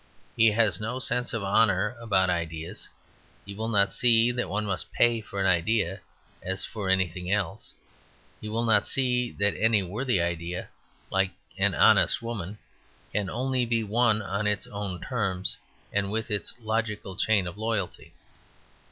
He has no sense of honour about ideas; he will not see that one must pay for an idea as for anything else. He will not see that any worthy idea, like any honest woman, can only be won on its own terms, and with its logical chain of loyalty.